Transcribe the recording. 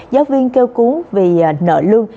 giáo viên kêu cú vì nợ lương